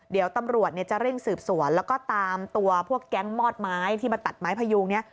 เดี๋ยวตำรวจจะเร่งสืบสวนแล้วก็ตามตัวพวกแก๊งมอดไม้ที่มาตัดไม้พยูงเนี่ย